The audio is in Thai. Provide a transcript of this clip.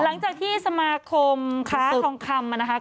หลังจากที่สมาคมค้าทองคำนะคะ